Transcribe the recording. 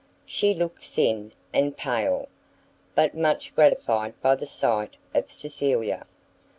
She looked thin and pale, but much gratified by the sight of Cecilia.